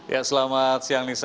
ya selamat siang nisa